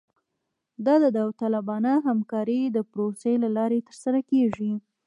دا د داوطلبانه همکارۍ د پروسې له لارې ترسره کیږي